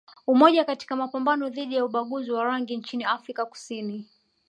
Umoja katika mapambano dhidi ya ubaguzi wa rangi nchini Afrika Kusini